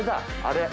あれ。